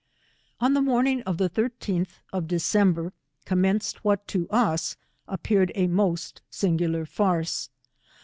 On the morniDj of the ISib of Deceaiber, com nveticed what to us appeared a most singular farce.